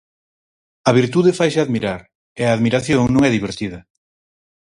A virtude faise admirar, e a admiración non é divertida.